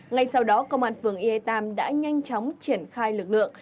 ngay sau đó công an phường eê tam đã nhanh chóng triển khai lực lượng